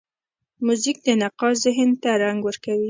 موزیک د نقاش ذهن ته رنګ ورکوي.